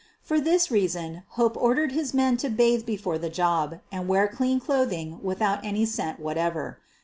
For this reason Hope ordered his men to bathe before the job and wear clean clothing without any scent whatever.